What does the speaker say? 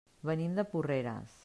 Venim de Porreres.